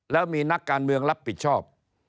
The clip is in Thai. แล้วมีนักการเมืองรับผิดชอบ